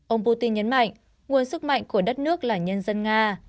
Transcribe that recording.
ông putin nhấn mạnh nguồn sức mạnh của đất nước là nhân dân nga